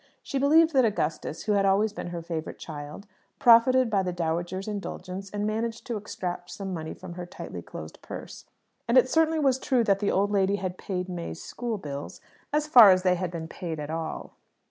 She believed that Augustus, who had always been her favourite child, profited by the dowager's indulgence, and managed to extract some money from her tightly closed purse. And it certainly was true that the old lady had paid May's school bills so far as they had been paid at all.